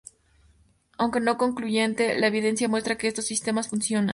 Aunque no concluyente, la evidencia muestra que estos sistemas funcionan.